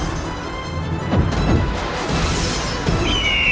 jangan berani kurang ajar padaku